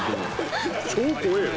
超怖えよ！